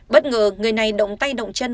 bất ngờ người này động tay động chân